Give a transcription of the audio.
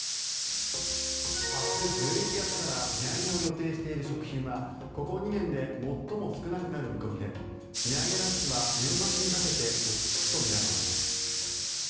明日、１１月から値上げを予定している食品はここ２年で最も少なくなる見込みで値上げラッシュは年末にかけて落ち着くとみられます。